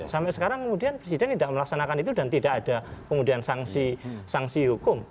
sampai sekarang kemudian presiden tidak melaksanakan itu dan tidak ada kemudian sanksi sanksi hukum